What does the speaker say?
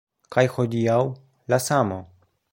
Kaj hodiaŭ… la samo.